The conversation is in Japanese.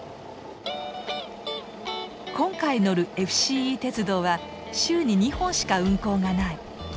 今回乗るＦＣＥ鉄道は週に２本しか運行がない。